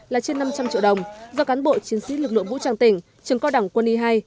là trên năm trăm linh triệu đồng do cán bộ chiến sĩ lực lượng vũ trang tỉnh trường cao đẳng quân y hai